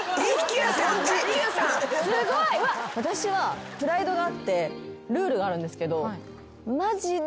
私はプライドがあってルールがあるんですけどマジで。